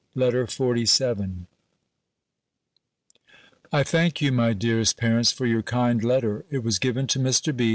LETTER XLVII I thank you, my dearest parents, for your kind letter; it was given to Mr. B.